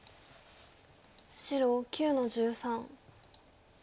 白９の十三。